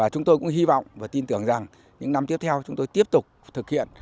chúng tôi cũng hy vọng và tin tưởng rằng những năm tiếp theo chúng tôi tiếp tục thực hiện